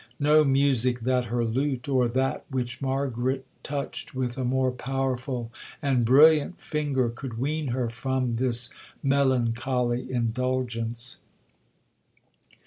No music that her lute, or that which Margaret touched with a more powerful and brilliant finger, could wean her from this melancholy indulgence.